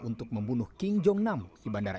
untuk membunuh king jong nam di bandara